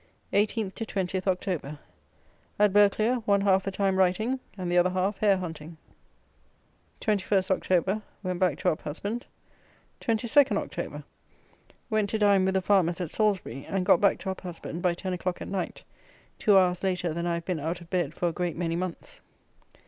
18 to 20 October. At Burghclere, one half the time writing, and the other half hare hunting. 21 October. Went back to Uphusband. 22 October. Went to dine with the farmers at Salisbury, and got back to Uphusband by ten o'clock at night, two hours later than I have been out of bed for a great many months.